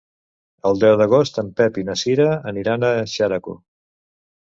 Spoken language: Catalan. El deu d'agost en Pep i na Cira aniran a Xeraco.